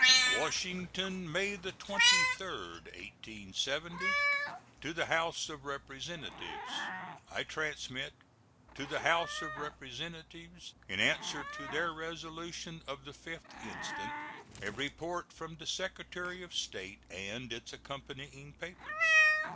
WASHINGTON, May 23, 1870. To the House of Representatives: I transmit to the House of Representatives, in answer to their resolution of the 5th instant, a report from the Secretary of State and its accompanying papers.